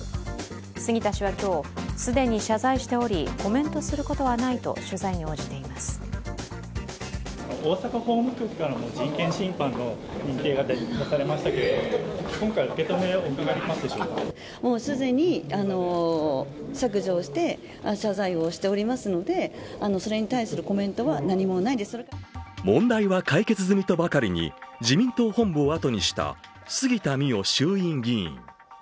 杉田氏は今日、既に謝罪しており、コメントすることはないと取材に応じています問題は解決済みとばかりに自民党本部をあとにした杉田水脈衆議院議員。